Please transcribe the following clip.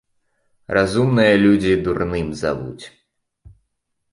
Разумныя людзі дурным завуць.